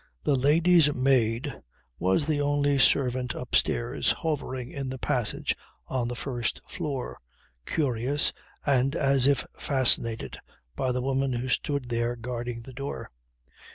The ladies' maid was the only servant upstairs, hovering in the passage on the first floor, curious and as if fascinated by the woman who stood there guarding the door.